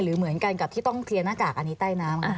เหมือนกันกับที่ต้องเคลียร์หน้ากากอันนี้ใต้น้ำ